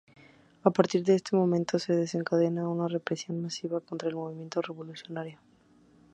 A partir de este momento se desencadena una represión masiva contra el movimiento revolucionario.